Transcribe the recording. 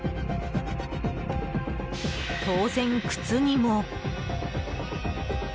当然、靴にも。